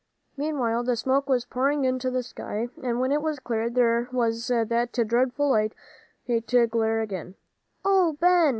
Meanwhile, the smoke was pouring into the sky, and when it cleared there was that dreadful red light glare again. "Oh, Ben!"